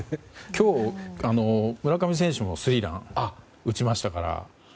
今日、村上選手もスリーラン打ちましたから。